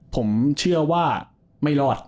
ผมเชื่อว่าไม่รอด